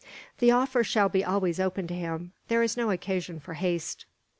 "The offer shall be always open to him; there is no occasion for haste."